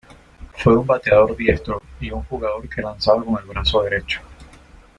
Fue un bateador diestro y un jugador que lanzaba con el brazo derecho.